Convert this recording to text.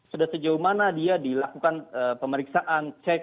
sudah sejauh mana dia dilakukan pemeriksaan cek